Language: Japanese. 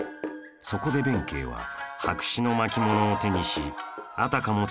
そこで弁慶は白紙の巻物を手にしあたかも